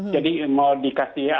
jadi mau dikasih apa ya